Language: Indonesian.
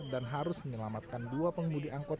dan harus menyelamatkan dua pengemudi angkut